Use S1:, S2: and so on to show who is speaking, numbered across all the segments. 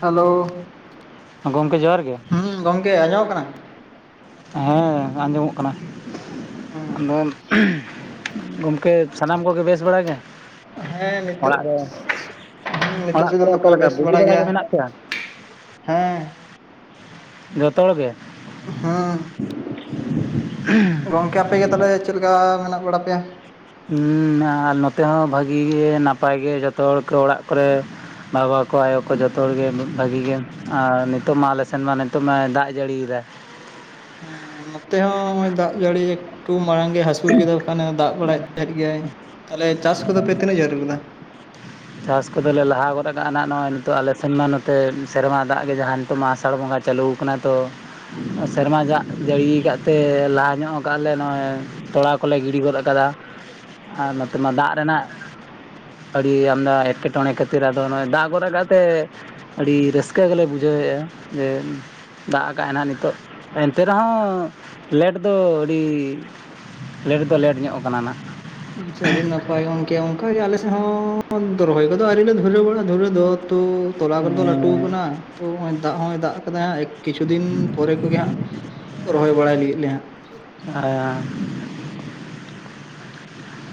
S1: Hello
S2: ᱜᱚᱢᱠᱮ ᱡᱚᱦᱟᱨ ᱜᱮ
S1: ᱦᱮᱸ ᱜᱚᱝᱠᱮ ᱟᱸᱡᱚᱢ ᱠᱟᱱᱟ?
S2: ᱦᱮᱸ ᱟᱸᱡᱚᱢᱚᱜ ᱠᱟᱱᱟ᱾ ᱟᱫᱚ ᱜᱚᱝᱠᱮ ᱥᱟᱱᱟᱢ ᱠᱚᱜᱮ ᱵᱮᱥ ᱵᱟᱲᱟ ᱜᱮ?
S1: ᱦᱮᱸ ᱱᱤᱛᱳ
S2: ᱚᱲᱟᱜ ᱨᱮ ᱚᱲᱟᱜ
S1: ᱱᱤᱛᱚᱜ
S2: ᱠᱚᱨᱮ
S1: [inaudible]
S2: ᱚᱠᱟ
S1: ᱫᱚᱠᱚ
S2: ᱞᱮᱠᱟ
S1: ᱵᱮᱥ
S2: ᱵᱩᱜᱤ
S1: ᱵᱟᱲᱟ ᱜᱮᱭᱟ᱾
S2: ᱜᱮ ᱢᱮᱱᱟᱜ ᱯᱮᱭᱟ
S1: ᱦᱮᱸ
S2: ᱡᱚᱛᱚ ᱦᱚᱲ ᱜᱮ?
S1: ᱦᱮᱸ ᱜᱚᱝᱠᱮ ᱟᱯᱮᱜᱮ ᱛᱟᱦᱚᱞᱮ ᱪᱮᱫ ᱞᱮᱠᱟ ᱢᱮᱱᱟᱜ ᱵᱟᱲᱟ ᱯᱮᱭᱟ?
S2: ᱦᱩᱸ ᱟᱨ ᱱᱚᱛᱮ ᱦᱚᱸ ᱵᱷᱟᱹᱜᱤ ᱜᱮ ᱱᱟᱯᱟᱭ ᱜᱮ ᱡᱚᱛᱚ ᱦᱚᱲ ᱜᱮ ᱚᱲᱟᱜ ᱠᱚᱨᱮ ᱵᱟᱵᱟ ᱠᱚ ᱟᱭᱚ ᱠᱚ ᱡᱚᱛᱚ ᱦᱚᱲ ᱜᱮ ᱵᱷᱟᱹᱜᱤ ᱜᱮ ᱟᱨ ᱱᱤᱛᱚᱜ ᱢᱟ ᱟᱞᱮ ᱥᱮᱱ ᱢᱟ ᱱᱤᱛᱚᱜ ᱢᱟᱭ ᱫᱟᱜ ᱡᱟᱹᱲᱤᱭᱮᱫᱟᱭ᱾
S1: ᱱᱚᱛᱮ ᱦᱚᱸ ᱦᱚᱸᱜ- ᱚᱭ ᱫᱟᱜ ᱡᱟᱲᱤ ᱮᱠᱴᱩ ᱢᱟᱲᱟᱝ ᱜᱮᱭ ᱦᱟᱥᱩᱲ ᱠᱮᱫᱟ ᱠᱷᱟᱱᱮ ᱫᱟᱜ ᱵᱟᱲᱟᱭᱮᱫ ᱛᱟᱦᱮᱸᱫ ᱜᱮᱭᱟᱭ ᱾ ᱛᱟᱦᱚᱞᱮ ᱪᱟᱥ ᱠᱚᱫᱚ ᱯᱮ ᱛᱤᱱᱟᱹᱜ ᱡᱟᱹᱞ ᱞᱮᱫᱟ?
S2: ᱪᱟᱥ ᱠᱚᱫᱚ ᱞᱮ ᱞᱟᱦᱟ ᱜᱚᱫ ᱠᱟᱜ-ᱟ ᱱᱟᱜ ᱱᱚᱜᱼᱚᱭ ᱱᱤᱛᱚᱜ ᱟᱞᱮ ᱥᱮᱱ ᱢᱟ ᱱᱚᱛᱮ ᱥᱮᱨᱢᱟ ᱫᱟᱜ ᱜᱮ ᱡᱟᱦᱟᱸ ᱱᱤᱛᱚᱜ ᱢᱟ ᱟᱥᱟᱲ ᱵᱚᱸᱜᱟ ᱪᱟᱹᱞᱩ ᱟᱠᱟᱱᱟ ᱛᱚ ᱥᱮᱨᱢᱟ ᱡᱟᱜ ᱡᱟᱹᱲᱤ ᱠᱟᱫ ᱛᱮ ᱞᱟᱦᱟ ᱧᱚᱜ ᱠᱟᱜ ᱟᱞᱮ ᱱᱚᱜᱼᱚᱭ ᱛᱚᱲᱟ ᱠᱚᱞᱮ ᱜᱤᱰᱤ ᱜᱚᱫ ᱠᱟᱫᱟ ᱟᱨ ᱱᱚᱛᱮᱢᱟ ᱫᱟᱜ ᱨᱮᱱᱟᱜ ᱟᱹᱰᱤ ᱟᱢᱫᱟ ᱮᱴᱠᱮᱴᱚᱬᱮ ᱠᱷᱟᱹᱛᱤᱨ ᱟᱫᱚ ᱱᱚᱜᱼᱚᱭ ᱫᱟᱜ ᱜᱚᱫ ᱠᱟᱜ ᱛᱮ ᱟᱹᱰᱤ ᱨᱟᱹᱥᱠᱟᱹ ᱜᱮᱞᱮ ᱵᱩᱡᱷᱟᱹᱣᱮᱫᱼᱟ ᱡᱮ ᱫᱟᱜ ᱟᱠᱟᱫᱼᱟᱭ ᱱᱟᱦᱟᱜ ᱱᱤᱛᱚᱜ ᱮᱱᱛᱮ ᱨᱮᱦᱚᱸ ᱞᱮᱴ ᱫᱚ ᱟᱹᱰᱤ ᱞᱮᱴ ᱫᱚ ᱞᱮᱴ ᱧᱚᱜ ᱠᱟᱱᱟ ᱱᱷᱟᱜ᱾
S1: ᱦᱚᱭ ᱜᱚᱝᱠᱮ ᱚᱱᱠᱟ ᱜᱮ ᱟᱞᱮ ᱥᱮᱫ ᱦᱚᱸ ᱨᱚᱦᱚᱭ ᱠᱚᱫᱚ ᱟᱹᱣᱨᱤ ᱞᱮ ᱫᱷᱩᱨᱟᱹᱣ-ᱟ ᱫᱷᱩᱨᱟ. ᱣ ᱫᱚ᱾ ᱛᱚᱞᱟ ᱠᱚᱫᱚ ᱞᱟᱹᱴᱩ ᱠᱟᱱᱟ ᱛᱳ ᱫᱟᱜ ᱦᱚᱸᱭ ᱫᱟᱜ ᱠᱟᱫᱟᱭ, ᱠᱤᱪᱷᱩ ᱫᱤᱱ ᱯᱚᱨᱮ ᱠᱚᱜᱮ ᱦᱟᱸᱜ ᱨᱚᱦᱚᱭ ᱵᱟᱲᱟᱭ ᱞᱟᱹᱜᱤᱫ ᱞᱮ ᱦᱟᱸᱜ᱾
S2: [unintelligible]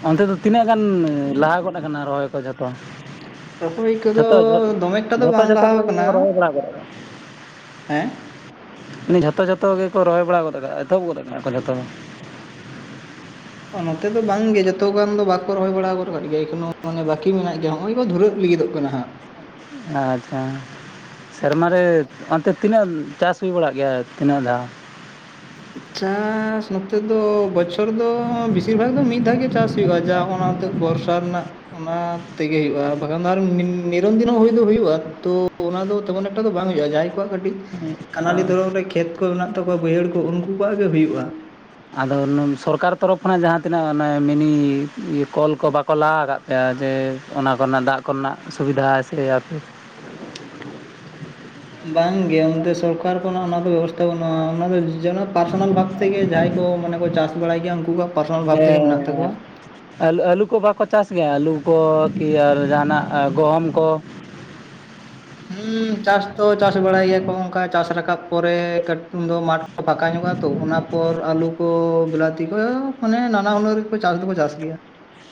S2: ᱚᱱᱛᱮ ᱫᱚ ᱛᱤᱱᱟᱹᱜ ᱜᱟᱱ ᱞᱟᱦᱟ ᱜᱚᱫ ᱠᱟᱱᱟ ᱨᱚᱦᱚᱭ ᱠᱚ ᱡᱷᱚᱛᱚ?
S1: ᱨᱚᱦᱚᱭ ᱠᱚᱫᱚ
S2: ᱡᱷᱚᱛᱚ
S1: ᱫᱚᱢᱮ ᱮᱠᱴᱟ ᱫᱚ
S2: ᱡᱷᱚᱛᱚ
S1: ᱵᱟᱝ
S2: ᱡᱷᱚᱛᱚ ᱠᱚ
S1: ᱞᱟᱦᱟᱣ ᱠᱟᱱᱟ ᱾
S2: ᱨᱚᱦᱚᱭ ᱵᱟᱲᱟ ᱜᱚᱫ ᱟᱠᱟᱫᱟ
S1: ᱦᱮᱸ
S2: ᱡᱷᱚᱛᱚ ᱡᱷᱚᱛᱚ ᱜᱮᱠᱚ ᱨᱚᱦᱚᱭ ᱵᱟᱲᱟ ᱜᱚᱫ ᱠᱟᱜ-ᱟ ᱮᱛᱚᱦᱚᱵ ᱜᱚᱫ ᱠᱟᱜ-ᱟ ᱠᱚ ᱡᱷᱚᱛᱚ ᱦᱚᱲ?
S1: ᱱᱚᱛᱮ ᱫᱚ ᱵᱟᱝᱜᱮ ᱡᱚᱛᱚ ᱜᱟᱱ ᱫᱚ ᱵᱟᱠᱚ ᱨᱚᱦᱚᱭ ᱵᱟᱲᱟ ᱜᱚᱫ ᱠᱟᱜ ᱜᱮᱭᱟ ᱮᱠᱷᱳᱱᱳ ᱢᱟᱱᱮ ᱵᱟᱠᱤ ᱢᱮᱱᱟᱜ ᱜᱮᱭᱟ ᱾ ᱱᱚᱜᱼᱚᱭ ᱠᱚ ᱫᱷᱟᱹᱨᱟᱹᱜ ᱞᱟᱹᱜᱤᱫᱚᱜ ᱠᱟᱱᱟ ᱦᱟᱸᱜ ᱾
S2: ᱟᱪᱪᱷᱟ ᱻ ᱾ ᱥᱮᱨᱢᱟ ᱨᱮ ᱚᱱᱛᱮ ᱛᱤᱱᱟᱹᱜ ᱪᱟᱥ ᱦᱩᱭ ᱵᱟᱲᱟᱜ ᱜᱮᱭᱟ, ᱛᱤᱱᱟᱹᱜ ᱫᱷᱟᱣ?
S1: ᱪᱟᱥ ᱱᱚᱛᱮ ᱫᱚ ᱵᱚᱪᱷᱚᱨ ᱫᱚ ᱵᱮᱥᱤᱨ ᱵᱷᱟᱜ ᱫᱚ ᱢᱤᱫ ᱫᱷᱟᱣ ᱜᱮ ᱪᱟᱥ ᱦᱩᱭᱩᱜᱼᱟ ᱡᱟ [unintelligible] ᱼᱼ ᱵᱚᱨᱥᱟᱨ ᱨᱮᱱᱟᱜ ᱼᱼ ᱚᱱᱟ ᱛᱮᱜᱮ ᱦᱩᱭᱩᱜᱼᱟ ᱾ ᱵᱟᱠᱷᱟᱱ ᱫᱚ ᱱᱤ ᱱᱤᱨᱚᱱ ᱫᱤᱱ ᱫᱚ ᱦᱩᱭ ᱫᱚ ᱦᱩᱭᱩᱜᱼᱟ, ᱛᱚ ᱚᱱᱟ ᱫᱚ ᱛᱮᱢᱚᱱ ᱮᱠᱴᱟ ᱫᱚ ᱵᱟᱝ ᱦᱩᱭᱩᱜᱼᱟ ᱾ ᱡᱟᱦᱟᱸᱭ ᱠᱚᱣᱟᱜ ᱠᱟᱹᱴᱤᱡ ᱠᱷᱟᱱᱟᱞᱤ ᱫᱷᱚᱨᱚᱱ ᱨᱮᱼᱼ ᱠᱷᱮᱛ ᱠᱚ ᱢᱮᱱᱟᱜ ᱛᱟᱠᱚᱣᱟ ᱵᱟᱹᱭᱦᱟᱹᱲ ᱠᱚ ᱩᱱᱠᱩ ᱠᱚᱣᱟᱜ ᱜᱮ ᱦᱩᱭᱩᱜᱼᱟ ᱾
S2: ᱟᱫᱚ ᱱᱩᱱ ᱥᱚᱨᱠᱟᱨ ᱛᱚᱨᱚᱯᱷ ᱠᱷᱚᱱᱟᱜ ᱡᱟᱦᱟᱸ ᱛᱤᱱᱟᱹᱜ ᱚᱱᱮ ᱢᱤᱱᱤ ᱠᱚᱞ ᱠᱚ ᱵᱟᱠ ᱠᱚ ᱞᱟᱣ ᱟᱠᱟᱫ ᱯᱮᱭᱟ ᱡᱮ ᱚᱱᱟ ᱠᱚᱨᱮᱱᱟᱜ ᱫᱟᱜ ᱠᱚᱨᱮᱱᱟᱜ ᱥᱩᱵᱤᱫᱷᱟ ᱥᱮ ᱟᱯᱮ
S1: ᱵᱟᱝᱜᱮ ᱚᱱᱛᱮ ᱥᱚᱨᱠᱟᱨ ᱠᱷᱚᱱᱟᱜ ᱚᱱᱟ ᱫᱚ ᱵᱮᱵᱚᱥᱛᱷᱟ ᱵᱟᱹᱱᱩᱜᱼᱟ ᱾ ᱚᱱᱟ ᱫᱚ ᱡᱮᱱ ᱯᱟᱨᱥᱚᱱᱟᱞ ᱵᱷᱟᱜᱽ ᱛᱮᱜᱮ ᱡᱟᱦᱟᱸᱭ ᱠᱚ ᱢᱟᱱᱮ ᱠᱚ ᱪᱟᱥ ᱵᱟᱲᱟᱭ ᱜᱮᱭᱟ ᱩᱱᱠᱩ ᱠᱚ
S2: ᱮᱸᱻ ᱟᱹᱞᱩ ᱟᱹᱞᱩ ᱠᱚ ᱵᱟᱠᱚ ᱪᱟᱥ ᱜᱮᱭᱟ ᱟᱹᱞᱩ ᱠᱚ ᱠᱤ ᱟᱨ ᱡᱟᱦᱟᱱᱟᱜ ᱜᱚᱦᱚᱢ ᱠᱚ?
S1: ᱦᱩᱸ ᱪᱟᱥ ᱛᱚ ᱪᱟᱥ ᱵᱟᱲᱟᱭ ᱜᱮᱭᱟ ᱠᱚ ᱚᱱᱠᱟ ᱪᱟᱥ ᱨᱟᱠᱟᱵ ᱯᱚᱨᱮ ᱠᱟᱹᱴᱩᱱ ᱫᱚ ᱢᱟᱴ ᱠᱚ ᱯᱷᱟᱠᱟ ᱧᱚᱜᱚᱜᱼᱟ ᱛᱚ ᱚᱱᱟ ᱯᱚᱨ ᱟᱹᱞᱩ ᱠᱚ ᱵᱮᱞᱟᱛᱤ ᱠᱚ ᱢᱟᱱᱮ ᱱᱟᱱᱟ ᱦᱩᱱᱟᱹᱨ ᱜᱮᱠᱚ ᱪᱟᱥ ᱫᱚᱠᱚ ᱪᱟᱥ ᱜᱮᱭᱟ ᱾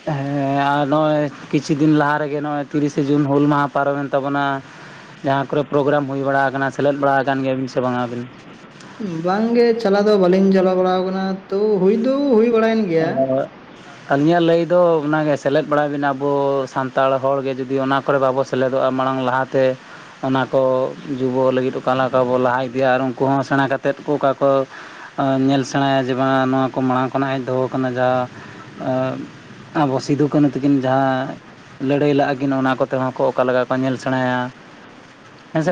S2: ᱦᱮᱸ ᱟᱨ ᱱᱚᱜᱼᱚᱭ ᱠᱤᱪᱷᱩ ᱫᱤᱱ ᱞᱟᱦᱟ ᱨᱮᱜᱮ ᱱᱚᱜᱼᱚᱭ ᱛᱤᱨᱤᱥᱮ ᱡᱩᱱ ᱦᱩᱞ ᱢᱟᱦᱟ ᱯᱟᱨᱚᱢᱮᱱ ᱛᱟᱵᱚᱱᱟ ᱾ ᱡᱟᱦᱟᱸ ᱠᱚᱨᱮ ᱯᱨᱳᱜᱨᱟᱢ ᱦᱩᱭ ᱵᱟᱲᱟ ᱠᱟᱱᱟ ᱥᱮᱞᱮᱫ ᱵᱟᱲᱟ ᱟᱠᱟᱱ ᱜᱮᱭᱟ ᱵᱤᱱ ᱥᱮ ᱵᱟᱝᱟ ᱟᱹᱵᱤᱱ?
S1: ᱵᱟᱝᱜᱮ ᱪᱟᱞᱟᱣ ᱫᱚ ᱵᱟᱟᱹᱞᱤᱧ ᱪᱟᱞᱟᱣ ᱵᱟᱲᱟ ᱠᱟᱱᱟ ᱛᱚ ᱦᱩᱭ ᱫᱚ ᱦᱩᱭ ᱵᱟᱲᱟᱭᱮᱱ ᱜᱮ
S2: [unintelligible] ᱟᱹᱞᱤᱧᱟᱜ ᱞᱟᱹᱭ ᱫᱚ ᱚᱱᱟ ᱜᱮ ᱥᱮᱞᱮᱫ ᱵᱟᱲᱟᱭ ᱵᱮᱱ ᱟᱵᱚ ᱥᱟᱱᱛᱟᱲ ᱦᱚᱲ ᱜᱮ ᱡᱩᱫᱤ ᱚᱱᱟ ᱠᱚᱨᱮ ᱵᱟᱵᱚ ᱥᱮᱞᱮᱫᱚᱜᱼᱟ ᱢᱟᱲᱟᱝ ᱞᱟᱦᱟᱛᱮ ᱚᱱᱟ ᱠᱚ ᱡᱩᱵᱚ ᱞᱟᱹᱜᱤᱫ ᱟᱠᱟ ᱞᱮᱠᱟ ᱵᱚ ᱞᱟᱦᱟ ᱤᱫᱤᱭᱟ ᱟᱨ ᱩᱱᱠᱩ ᱦᱚᱸ ᱥᱮᱬᱟ ᱠᱟᱛᱮᱫ ᱚᱠᱟ ᱠᱚ ᱧᱮᱞ ᱥᱮᱬᱟᱭᱟ ᱡᱮ ᱵᱟᱝ ᱱᱚᱣᱟ ᱠᱚ ᱢᱟᱲᱟᱝ ᱠᱷᱚᱱᱟᱜ ᱦᱮᱡ ᱫᱚᱦᱚ ᱠᱟᱱᱟ ᱡᱟ, ᱟᱸ ᱟᱵᱚ ᱥᱤᱫᱩ ᱠᱟᱹᱱᱩ ᱛᱟᱹᱠᱤᱱ ᱡᱟᱦᱟᱸ ᱞᱟᱹᱲᱦᱟᱹᱭ ᱞᱟᱜᱼᱟ ᱠᱤᱱ ᱚᱱᱟ ᱠᱚᱛᱮ ᱦᱚᱸ ᱠᱚ ᱚᱠᱟ ᱞᱮᱠᱟ ᱠᱚ ᱧᱮᱞ ᱥᱮᱬᱟᱭᱟ ᱾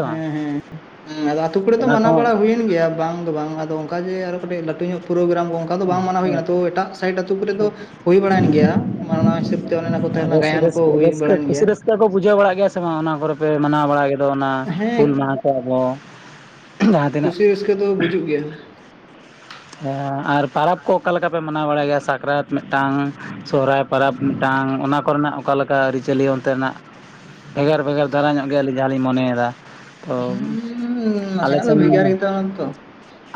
S1: ᱦᱮᱸ ᱦᱮᱸ ᱟᱫᱚ ᱟᱛᱩ ᱠᱚᱨᱮ ᱫᱚ
S2: ᱚᱱᱟ
S1: ᱢᱟᱱᱟᱣ
S2: ᱠᱚ
S1: ᱵᱟᱲᱟ ᱦᱩᱭᱮᱱ ᱜᱮᱭᱟ ᱵᱟᱝ ᱫᱚ ᱵᱟᱝ, ᱟᱫᱚ ᱚᱱᱠᱟ ᱡᱮ ᱟᱨᱚ ᱠᱟᱹᱴᱤᱡ ᱞᱟᱹᱴᱩ ᱧᱚᱜ ᱯᱳᱨᱳᱜᱮᱨᱟᱢ ᱠᱚ ᱚᱱᱠᱟ ᱚᱠᱟ ᱫᱚ ᱵᱟᱝ ᱢᱟᱱᱟᱣ ᱦᱩᱭ ᱟᱠᱟᱱᱟ ᱛᱚ ᱮᱴᱟᱜ ᱥᱟᱭᱤᱴ ᱟᱛᱳ ᱠᱚᱨᱮ ᱫᱚ ᱦᱩᱭ ᱵᱟᱲᱟᱭᱮᱱ ᱜᱮᱭᱟ ᱢᱟ ᱚᱱᱟ ᱦᱤᱥᱟᱹᱵ ᱛᱮ ᱚᱱᱮ ᱚᱱᱟ ᱠᱚ ᱛᱟᱦᱮᱸ ᱞᱮᱱᱟ
S2: ᱨᱟᱹᱥ
S1: ᱜᱟᱭᱟᱱ
S2: ᱨᱟᱹᱥ
S1: ᱠᱚ ᱦᱩᱭ
S2: ᱨᱟᱹᱥᱠᱟᱹ
S1: ᱵᱟᱲᱟᱭᱮᱱ
S2: ᱠᱩᱥᱤ
S1: ᱜᱮᱭᱟ ᱾
S2: ᱨᱟᱹᱥᱠᱟᱹ ᱠᱚ ᱵᱩᱡᱷᱟᱹᱣ ᱵᱟᱲᱟᱜ ᱜᱮᱭᱟ ᱥᱮ ᱵᱟᱝ ᱚᱱᱟ ᱠᱚᱨᱮ ᱯᱮ ᱢᱟᱱᱟᱣ ᱵᱟᱲᱟ ᱠᱮᱫᱚ ᱚᱱᱟ ᱦᱩᱞ
S1: ᱦᱮᱸ
S2: ᱢᱟᱦᱟ ᱠᱚ ᱟᱵᱚ? ᱡᱟᱦᱟᱸ ᱛᱤᱱᱟᱹᱜ
S1: ᱠᱩᱥᱤ ᱨᱟᱹᱥᱠᱟᱹ ᱫᱚ ᱵᱩᱡᱩᱜ ᱜᱮᱭᱟ ᱾
S2: ᱟᱨ ᱯᱟᱨᱟᱵᱽ ᱠᱚ ᱚᱠᱟ ᱞᱮᱠᱟ ᱯᱮ ᱢᱟᱱᱟᱣ ᱵᱟᱲᱟᱭ ᱜᱮᱭᱟ ᱥᱟᱠᱨᱟᱛ ᱢᱤᱫᱴᱟᱝ ᱥᱚᱦᱨᱟᱭ ᱯᱟᱨᱟᱵᱽ ᱢᱤᱫᱴᱟᱝ ᱚᱱᱟ ᱠᱚᱨᱮᱱᱟᱜ ᱚᱠᱟ ᱞᱮᱠᱟ ᱟᱹᱨᱤᱪᱟᱹᱞᱤ ᱚᱱᱛᱮᱱᱟᱜ? ᱵᱷᱮᱜᱟᱨ ᱵᱷᱮᱜᱟᱨ ᱫᱷᱟᱨᱟ ᱧᱚᱜ ᱜᱮᱭᱟ ᱟᱹᱞᱤᱧ ᱡᱟᱦᱟᱸ ᱞᱤᱧ ᱢᱚᱱᱮᱭᱫᱟ ᱾ ᱛᱚ
S1: ᱦᱩᱸ
S2: ᱟᱞᱮ
S1: ᱱᱟᱥᱮᱱᱟᱜ ᱫᱚ
S2: ᱥᱮᱱ
S1: ᱵᱷᱮᱜᱟᱨ ᱜᱮ ᱛᱟᱵᱚᱱᱟ ᱛᱚ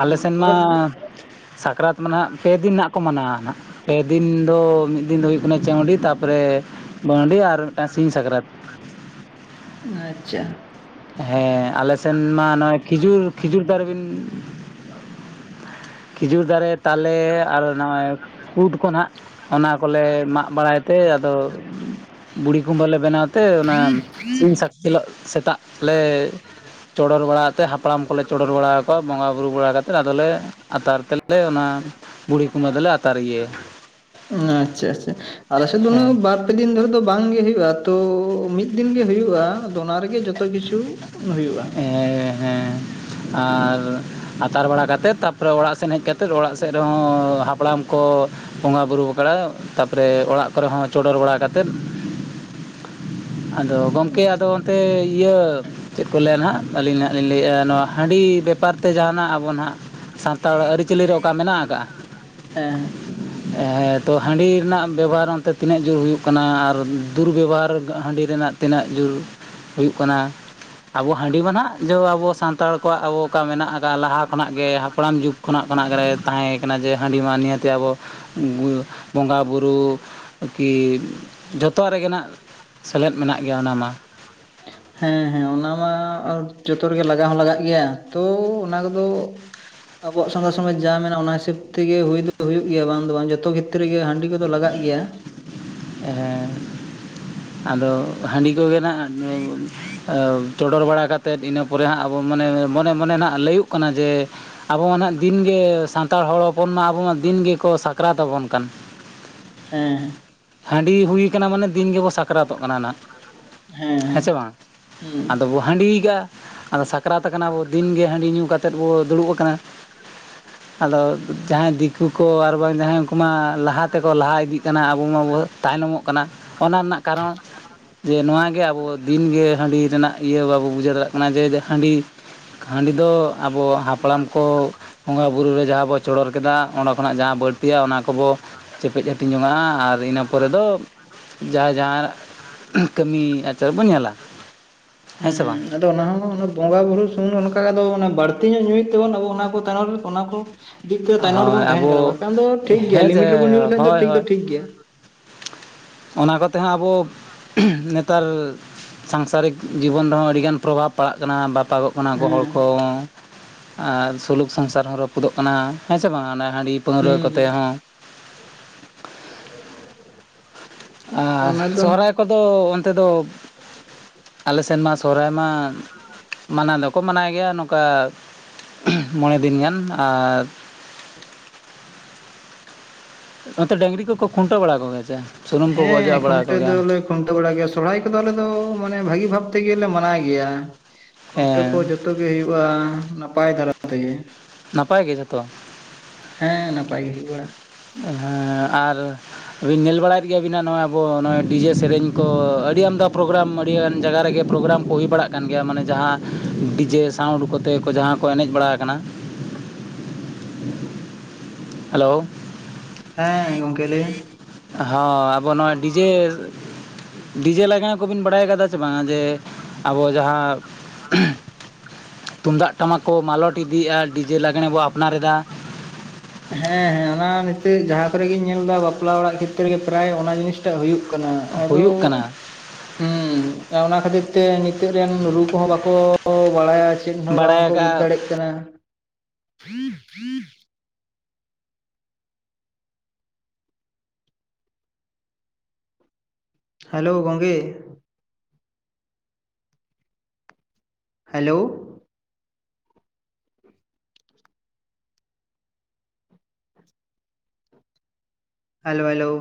S2: ᱟᱞᱮ ᱥᱮᱱ ᱢᱟ
S1: ᱯᱚᱨᱚᱵᱽ ᱠᱚ᱾
S2: ᱥᱟᱠᱨᱟᱛ ᱢᱟ ᱱᱟᱦᱟᱜ ᱯᱮ ᱫᱤᱱ ᱱᱟᱜ ᱠᱚ ᱢᱟᱱᱟᱣᱟ ᱱᱟᱦᱟᱸᱜ ᱾ ᱯᱮ ᱫᱤᱱ ᱫᱚ, ᱢᱤᱫ ᱫᱤᱱ ᱫᱚ ᱦᱩᱭᱩᱜ ᱠᱟᱱᱟ ᱪᱟᱹᱶᱰᱤ, ᱛᱟᱨᱯᱚᱨᱮ ᱵᱟᱹᱶᱰᱤ, ᱟᱨ ᱢᱤᱫᱴᱟᱝ ᱥᱤᱧ ᱥᱟᱠᱨᱟᱛ ᱾
S1: ᱟᱪᱪᱷᱟ ᱾
S2: ᱦᱮᱸ ᱟᱞᱮ ᱥᱮᱱ ᱢᱟ ᱱᱚᱜᱼᱚᱭ ᱠᱷᱤᱡᱩᱨ ᱠᱷᱤᱡᱩᱨ ᱫᱟᱨᱮ ᱵᱤᱱ ᱠᱷᱤᱡᱩᱨ ᱫᱟᱨᱮ, ᱛᱟᱞᱮ ᱟᱨ ᱱᱚᱜᱼᱚᱭ ᱠᱩᱫ ᱠᱚ ᱱᱟᱦᱟᱜ ᱾ ᱚᱱᱟ ᱠᱚᱞᱮ ᱢᱟᱜ ᱵᱟᱲᱟᱭ ᱛᱮ ᱟᱫᱚ ᱵᱩᱲᱦᱤ ᱠᱩᱢᱵᱟᱹ ᱞᱮ ᱵᱮᱱᱟᱣ ᱛᱮ ᱚᱱᱟ ᱥᱤᱧ ᱥᱟᱠ ᱦᱤᱞᱳᱜ ᱥᱮᱛᱟᱜ ᱞᱮ ᱪᱚᱰᱚᱨ ᱵᱟᱲᱟ ᱟᱛᱮᱫ ᱦᱟᱯᱲᱟᱢ ᱠᱚᱞᱮ ᱪᱚᱰᱚᱨ ᱵᱟᱲᱟ ᱟᱠᱚᱣᱟ ᱵᱚᱸᱜᱟᱼᱵᱩᱨᱩ ᱵᱟᱲᱟ ᱠᱟᱛᱮᱫ ᱟᱫᱚᱞᱮ ᱟᱛᱟᱨ ᱛᱮᱞᱮ, ᱚᱱᱟ ᱵᱩᱲᱦᱤ ᱠᱩᱢᱵᱷᱟᱹ ᱫᱚᱞᱮ ᱟᱛᱟᱨ ᱜᱮᱭᱟ ᱾
S1: ᱟᱪᱪᱷᱟ, ᱟᱪᱷᱟ ᱟᱞᱮ ᱥᱮᱫ ᱩᱱᱟᱹ,
S2: ᱦᱮᱸ
S1: ᱵᱟᱨ ᱵᱟᱨᱯᱮ ᱫᱤᱱ ᱫᱷᱚᱨᱮ ᱫᱚ, ᱵᱟᱝᱜᱮ ᱦᱩᱭᱩᱜᱼᱟ ᱾ ᱛᱚ ᱢᱤᱫ ᱫᱤᱱ ᱜᱮ ᱦᱩᱭᱩᱜᱼᱟ᱾ ᱟᱫᱚ ᱚᱱᱟ ᱨᱮᱜᱮ ᱡᱚ ᱛᱚ ᱠᱤᱪᱷᱩ ᱦᱩᱭᱩᱜᱼᱟ ᱾
S2: ᱮᱸᱻ ᱦᱮᱸ ᱾ ᱟᱨ ᱟᱛᱟᱨ ᱵᱟᱲᱟ ᱠᱟᱛᱮᱫ, ᱛᱟᱯᱚᱨᱮ ᱚᱲᱟᱜ ᱥᱮᱱ, ᱦᱮᱡ ᱠᱟᱛᱮᱫ ᱚᱲᱟᱜ ᱥᱮᱫ, ᱨᱮᱦᱚ, ᱚ ᱦᱟᱯᱲᱟᱢ ᱠᱚ ᱵᱚᱸᱜᱟ ᱵᱩᱨᱩ ᱟᱠᱷᱲᱟ, ᱛᱟᱨᱯᱚᱨᱮ ᱚᱲᱟᱜ ᱠᱚᱨᱮ ᱦᱚᱸ ᱪᱚᱰᱚᱨ ᱵᱟᱲᱟ ᱠᱟᱛᱮᱫ, ᱟᱫᱚ, ᱜᱚᱝᱠᱮ ᱟᱫᱚ, ᱚᱱᱛᱮ ᱤᱭᱟᱹ ᱪᱮᱫ? ᱠᱚ ᱞᱟᱹᱭᱟ ᱱᱷᱟᱜ ᱾ ᱟᱹᱞᱤᱧ ᱱᱟᱜ ᱞᱤᱧ ᱞᱟᱹᱭᱮᱫᱼᱟ, ᱱᱚᱣᱟ ᱦᱟᱺᱰᱤ ᱵᱮᱯᱟᱨᱛᱮ ᱡᱟᱦᱟᱱᱟᱜ ᱟᱵᱚ, ᱱᱟᱦᱟᱜ ᱥᱟᱱᱛᱟᱲ ᱟᱹᱨᱤ ᱪᱟᱞᱤ ᱨᱮ, ᱚᱠᱟ ᱢᱮᱱᱟᱜ ᱟᱠᱟᱜᱼᱟ
S1: ᱦᱮᱸ
S2: ᱾ᱮᱻᱦᱮᱫ ᱾ ᱛᱚ, ᱦᱟᱺᱰᱤ ᱨᱮᱱᱟᱜ ᱵᱮᱵᱚᱦᱟᱨ ᱚᱱᱛᱮ, ᱛᱤᱱᱟᱹᱜ? ᱡᱳᱨ ᱦᱩᱭᱩᱜ ᱠᱟᱱᱟ ᱾ ᱟᱨ ᱫᱩᱨᱵᱮᱵᱚᱦᱟᱨ ᱦᱟᱺᱰᱤ ᱨᱮᱱᱟᱜ ᱛᱤᱱᱟᱹᱜ? ᱡᱳᱨ ᱦᱩᱭᱩᱜ ᱠᱟᱱᱟ ᱾ ᱟᱵᱚ, ᱦᱟᱺᱰᱤ ᱢᱟ ᱱᱟᱦᱟᱜ ᱡᱚ, ᱟᱵᱚ ᱥᱟᱱᱛᱟᱲ ᱠᱚᱣᱟᱜ, ᱟᱵᱚ ᱚᱠᱟ ᱢᱮᱱᱟᱜ ᱟᱠᱟᱫ, ᱞᱟᱦᱟ ᱠᱷᱚᱱᱟᱜ ᱜᱮ, ᱦᱟᱯᱲᱟᱢ ᱡᱩᱜᱽ ᱠᱷᱚᱱᱟᱜ ᱾ ᱠᱷᱚᱱᱟᱜ ᱨᱮ, ᱛᱟᱦᱮᱸ ᱠᱟᱱᱟ ᱡᱮ ᱦᱟᱺᱰᱤ ᱢᱟ ᱾ ᱱᱤᱭᱟᱹᱛᱮ, ᱟᱵᱚ ᱵᱚᱸᱜᱟ ᱵᱩᱨᱩ ᱠᱤ ᱡᱚᱛᱚᱣᱟᱜ ᱨᱮᱜᱮ ᱱᱷᱟᱜ, ᱥᱮᱞᱮᱫ ᱢᱮᱱᱟᱜ ᱜᱮᱭᱟ, ᱚᱱᱟ ᱢᱟ ᱾
S1: ᱦᱮᱸ, ᱦᱮᱸ ᱚᱱᱟ ᱢᱟ, ᱡᱚᱛᱚ ᱨᱮᱜᱮ ᱞᱟᱜᱟᱣ ᱦᱚᱸ ᱞᱟᱜᱟᱜ ᱜᱮᱭᱟ, ᱛᱚ ᱚᱱᱟ ᱠᱚᱫᱚ ᱟᱵᱚᱣᱟᱜ, ᱥᱟᱱᱛᱟᱲ ᱥᱚᱢᱟᱡᱽ ᱡᱟ ᱢᱮᱱᱟᱜᱼᱟ ᱾ ᱚᱱᱟ ᱦᱤᱥᱟᱹᱵ ᱛᱮᱜᱮ, ᱦᱩᱭ ᱫᱚ ᱦᱩᱭᱩᱜ ᱜᱮᱭᱟ, ᱵᱟᱝ ᱫᱚ ᱵᱟᱝ ᱡᱚᱛᱚ ᱜᱮ, ᱵᱷᱤᱛᱤᱨ ᱨᱮᱜᱮ, ᱦᱟᱺᱰᱤ ᱠᱚᱫᱚ ᱞᱟᱜᱟᱜ ᱜᱮᱭᱟ᱾
S2: ᱦᱮᱸᱻ ᱾ ᱟᱫᱚ ᱦᱟᱺᱰᱤ ᱠᱚᱜᱮ ᱱᱟᱜ, ᱪᱚᱰᱚᱨ ᱵᱟᱲᱟ ᱠᱟᱛᱮᱫ, ᱤᱱᱟᱹ ᱯᱚᱨᱮ ᱦᱟᱸᱜ ᱢᱟᱱᱮ, ᱢᱚᱱᱮ ᱢᱚᱱᱮ ᱱᱷᱟᱜ, ᱞᱟᱹᱭᱚᱜ ᱠᱟᱱᱟ ᱡᱮ, ᱟᱵᱚ ᱢᱟ ᱦᱟᱸᱜ ᱫᱤᱱᱜᱮ, ᱥᱟᱱᱛᱟᱲ ᱦᱚᱲ ᱦᱚᱯᱚᱱ ᱢᱟ, ᱟᱵᱚ ᱢᱟ ᱫᱤᱱ ᱜᱮᱠᱚ, ᱥᱟᱠᱨᱟᱛ ᱟᱵᱚᱱ ᱠᱟᱱ ᱾
S1: ᱦᱮᱸᱻ, ᱾
S2: ᱦᱟᱺᱰᱤ ᱦᱩᱭ ᱟᱠᱟᱱᱟ, ᱢᱟᱱᱮ ᱫᱤᱱ ᱜᱮᱵᱚᱱ ᱥᱟᱠᱨᱟᱛᱚᱜ ᱠᱟᱱᱟ ᱦᱟᱸᱜ
S1: ᱦᱮᱸ
S2: ᱾ ᱦᱮᱸᱥᱮ ᱵᱟᱝ?
S1: ᱦᱩᱸ
S2: ᱟᱫᱚ ᱵᱚ ᱦᱟᱺᱰᱤᱜᱟ, ᱟᱫᱚ ᱥᱟᱠᱨᱟᱛ ᱟᱠᱟᱱᱟ ᱵᱚ, ᱫᱤᱱ ᱜᱮ ᱦᱟᱺᱰᱤ ᱧᱩ ᱠᱟᱛᱮᱫ ᱵᱚ, ᱫᱩᱲᱩᱵ ᱟᱠᱟᱱᱟ ᱾ ᱟᱫᱚ, ᱡᱟᱦᱟᱸᱭ ᱫᱤᱠᱩ ᱠᱚ, ᱟᱨ ᱵᱟᱝ ᱡᱟᱦᱟᱸᱭ, ᱩᱱᱠᱩ ᱢᱟ, ᱞᱟᱦᱟ ᱛᱮᱠᱚ, ᱞᱟᱦᱟ ᱤᱫᱤᱜ ᱠᱟᱱᱟ ᱾ ᱟᱵᱚ ᱢᱟᱵᱚ ᱛᱟᱭᱱᱚᱢᱚᱜ ᱠᱟᱱᱟ ᱾ ᱚᱱᱟ ᱨᱮᱱᱟᱜ ᱠᱟᱨᱚᱱ? ᱡᱮ ᱱᱚᱣᱟ ᱜᱮ, ᱟᱵᱚ ᱫᱤᱱᱜᱮ ᱦᱟᱺᱰᱤ ᱨᱮᱱᱟᱜ ᱤᱭᱟᱹ, ᱵᱟᱵᱚ ᱵᱩᱡᱷᱟᱹᱣ ᱫᱟᱲᱮᱭᱟᱜ ᱠᱟᱱᱟ ᱾ ᱡᱮ, ᱡᱮ ᱦᱟᱺᱰᱤ, ᱦᱟᱺᱰᱤ ᱫᱚ, ᱟᱵᱚ ᱦᱟᱯᱲᱟᱢ ᱠᱚ ᱵᱚᱸᱜᱟ ᱵᱩᱨᱩ ᱨᱮ, ᱡᱟᱦᱟᱸ ᱵᱚ ᱪᱚᱰᱚᱨ ᱠᱮᱫᱟ ᱾ ᱚᱸᱰᱮ ᱠᱷᱚᱱᱟᱜ ᱡᱟᱦᱟᱸ ᱵᱟᱹᱲᱛᱤᱜ-ᱟ ᱾ ᱚᱱᱟ ᱠᱚᱵᱚ ᱪᱮᱯᱮᱡ, ᱦᱟᱹᱴᱤᱧ ᱡᱚᱝᱟᱜᱼᱟ ᱾ ᱟᱨ ᱤᱱᱟᱹ ᱯᱚᱨᱮ ᱫᱚ, ᱡᱟ ᱡᱟᱦᱟᱸᱨᱟᱜ, ᱠᱟᱹᱢᱤ ᱟᱪᱟᱨ ᱵᱚᱱ ᱧᱮᱞᱟ ᱾
S1: ᱦᱩᱸ ᱦᱩᱸ [unintelligible] ᱚᱱᱟ ᱦᱚᱸ, ᱵᱚᱸᱜᱟ ᱵᱩᱨᱩ ᱥᱩᱢᱩᱝ, ᱚᱱᱠᱟ ᱵᱟᱹᱲᱛᱤ ᱧᱚᱜ, ᱧᱩᱭᱮᱜ ᱛᱮᱵᱚᱱ, ᱟᱵᱚ ᱚᱱᱟ ᱠᱚ ᱛᱟᱭᱱᱚᱢ ᱨᱮ, ᱚᱱᱟ ᱠᱚ ᱫᱤᱠ ᱛᱮ ᱛᱟᱭᱱᱚᱢ
S2: ᱦᱳᱭ
S1: ᱨᱮᱵᱚᱱ ᱛᱟᱦᱮᱱ
S2: ᱟᱵᱚ
S1: ᱠᱟᱱᱟ ᱾ ᱵᱟᱝᱠᱷᱟᱱ ᱫᱚ ᱴᱷᱤᱠ ᱜᱮᱭᱟ,
S2: ᱦᱮᱸ ᱡᱮ
S1: ᱞᱤᱢᱤᱴ ᱨᱮᱵᱚᱱ ᱧᱩ ᱞᱮᱠᱷᱟᱱ ᱫᱚ,
S2: ᱦᱳᱭ
S1: ᱴᱷᱤᱠ ᱫᱚ
S2: ᱦᱳᱭ
S1: ᱴᱷᱤᱠ ᱜᱮᱭᱟ ᱾
S2: ᱚᱱᱟ ᱠᱚᱛᱮ ᱦᱚᱸ ᱟᱵᱚ,
S1: [unintelligible] [inaudible]
S2: ᱱᱮᱛᱟᱞ [unintelligible] ᱥᱟᱝᱥᱟᱨᱤᱠ ᱡᱤᱵᱚᱱ ᱨᱮᱦᱚᱸ, ᱟᱹᱰᱤ ᱜᱟᱱ ᱯᱨᱚᱵᱷᱟᱵᱽ ᱯᱟᱲᱟᱜ ᱠᱟᱱᱟ ᱾ ᱵᱟᱯᱟᱜᱚᱜ ᱠᱟᱱᱟ ᱠᱚ, ᱦᱚᱲ
S1: ᱦᱮᱸ
S2: ᱠᱚ, ᱟᱨ ᱥᱩᱞᱩᱠ ᱥᱚᱝᱥᱟᱨ ᱦᱚᱸ, ᱨᱟᱹᱯᱩᱫᱚᱜ ᱠᱟᱱᱟ ᱾ ᱦᱮᱸ ᱥᱮ ᱵᱟᱝ? ᱚᱱᱟ᱾ ᱦᱟᱺᱰᱤ ᱯᱟᱹᱣᱨᱟᱹ
S1: ᱦᱩᱸ
S2: ᱠᱚᱛᱮ
S1: ᱦᱩᱸ
S2: ᱦᱚᱸ ᱾
S1: [inaudible]
S2: ᱟᱼᱦ,
S1: ᱚᱱᱟ ᱫᱚ
S2: ᱥᱚᱦᱚᱨᱟᱭ ᱠᱚᱫᱚ ᱚᱱᱛᱮ ᱫᱚ? ᱟᱞᱮᱥᱮᱱ ᱢᱟ ᱥᱚᱦᱚᱨᱟᱭ ᱢᱟ, ᱢᱟᱱᱟᱣ ᱫᱚᱠᱚ ᱢᱟᱱᱟᱣ ᱜᱮᱭᱟ ᱱᱚᱝᱠᱟ, ᱢᱚᱬᱮ ᱫᱤᱱ ᱜᱟᱱ, ᱟᱨ ᱱᱛᱮ ᱰᱟᱹᱝᱨᱤ ᱠᱚᱠᱚ, ᱠᱷᱩᱱᱴᱟᱹᱣ ᱵᱟᱲᱟ ᱠᱚ ᱜᱮᱭᱟ ᱥᱮ, ᱥᱩᱱᱩᱢ ᱠᱚᱠᱚ ᱚᱡᱚᱜ, ᱵᱟᱲᱟ ᱠᱚ ᱜᱮᱭᱟ ᱾
S1: ᱠᱷᱩᱱᱴᱷᱟᱹᱣ ᱵᱟᱲᱟᱭ ᱜᱮᱭᱟ ᱾ ᱥᱚᱨᱦᱟᱭ ᱠᱚᱫᱚ, ᱟᱞᱮ ᱫᱚ ᱢᱟᱱᱮ, ᱵᱷᱟᱹᱜᱤ ᱵᱷᱟᱵ ᱛᱮᱜᱮ, ᱢᱟᱱᱟᱣ ᱜᱮᱭᱟ ᱾ ᱠᱷᱩᱱᱴᱟᱹᱣ ᱠᱚ ᱡᱚᱛ
S2: ᱦᱮᱸ
S1: ᱡᱚᱛᱚ ᱜᱮ ᱦᱩᱭᱩᱜᱼᱟ ᱾ ᱱᱟᱯᱟᱭ ᱫᱷᱟᱨᱟ ᱛᱮᱜᱮ ᱾
S2: ᱱᱟᱯᱟᱭ ᱜᱮ ᱡᱷᱚᱛᱚ? ᱾
S1: ᱦᱮᱸ, ᱱᱟᱯᱟᱭ ᱜᱮ ᱦᱩᱭ ᱵᱟᱲᱟᱼᱟ ᱾
S2: ᱦᱮᱸᱻ, ᱟᱼᱨ ᱧᱮᱞ ᱵᱟᱲᱟᱭᱮᱫ ᱜᱮᱭᱟᱵᱤᱱ ᱱᱚᱜᱼᱚᱭ ᱟᱵᱚ ᱱᱚᱜ ᱰᱤᱡᱮ ᱥᱮᱨᱮᱧ ᱠᱚ ᱟᱹᱰᱤ ᱟᱢᱫᱟ ᱯᱨᱳᱜᱨᱟᱢ ᱟᱹᱰᱤᱜᱟᱱ ᱡᱟᱭᱜᱟ ᱨᱮᱜᱮ ᱯᱨᱳᱜᱨᱟᱢ ᱠᱚ ᱦᱩᱭ ᱵᱟᱲᱟᱜ ᱠᱟᱱ ᱜᱮᱭᱟ ᱢᱟᱱᱮ ᱡᱟᱦᱟᱸ ᱰᱤᱡᱮ ᱴᱷᱟᱶ ᱩᱰᱩᱠ ᱠᱚᱛᱮ ᱠᱚ ᱡᱟᱦᱟᱸ ᱠᱚ ᱮᱱᱮᱡ ᱵᱟᱲᱟ ᱠᱟᱱᱟ᱾ ᱦᱮᱞᱳ᱾
S1: ᱦᱮᱸ ᱜᱚᱝᱠᱮ ᱞᱟᱹᱭ ᱢᱮ᱾
S2: ᱦᱚᱸ ᱟᱵᱚ ᱱᱚᱣᱟ ᱰᱤᱡᱮ ᱰᱤᱡᱮ ᱞᱟᱜᱽᱬᱮ ᱠᱚᱵᱤᱱ ᱵᱟᱲᱟᱭ ᱠᱟᱫᱟ ᱥᱮ ᱵᱟᱝ ᱡᱮ ᱟᱵᱚ ᱡᱟᱦᱟᱸ
S1: [unintelligible]
S2: ᱛᱩᱢᱫᱟᱜ ᱴᱟᱢᱟᱠ ᱠᱚ ᱢᱟᱞᱚᱴ ᱤᱫᱤᱭᱮᱜᱼᱟ, ᱰᱤᱡᱮ ᱞᱟᱸᱜᱽᱬᱮ ᱵᱚ ᱟᱯᱱᱟᱨᱮᱫᱟ᱾
S1: ᱦᱮᱸ ᱦᱮᱸ ᱚᱱᱟ ᱱᱤᱛᱟᱹᱜ ᱡᱟᱦᱟᱸ ᱠᱚᱨᱮᱜᱤᱧ ᱧᱮᱞ ᱫᱟ ᱵᱟᱯᱞᱟ ᱚᱲᱟᱜ ᱠᱷᱮᱛᱨᱮ ᱨᱮᱜᱮ ᱯᱨᱟᱭ ᱚᱱᱟ ᱡᱤᱱᱤᱥ ᱴᱟᱜ ᱦᱩᱭᱩᱜ ᱠᱟᱱᱟ, ᱟᱫᱚ
S2: ᱦᱩᱭᱩᱜ ᱠᱟᱱᱟ
S1: ᱦᱩᱸ, ᱟᱨ ᱚᱱᱟ ᱠᱷᱟᱹᱛᱤᱨ ᱛᱮ ᱱᱤᱛᱚᱜ ᱨᱮᱱ ᱨᱩ ᱠᱚᱦᱚᱸ ᱵᱟᱠᱚ ᱵᱟᱲᱟᱭᱟ᱾ ᱪᱮᱫ ᱦᱚᱸ
S2: ᱵᱟᱲᱟᱭ
S1: ᱵᱟᱝᱠᱚ ᱵᱩᱡ
S2: ᱟᱠᱟᱜᱼᱟ
S1: ᱫᱟᱲᱮᱜ ᱠᱟᱱᱟ, ᱦᱮᱞᱳ, ᱜᱚᱝᱠᱮ᱾ Hello, hello hello,